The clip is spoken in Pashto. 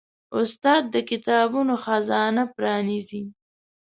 استاد د کتابونو خزانه پرانیزي.